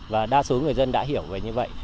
và đa số người dân đã hiểu về như vậy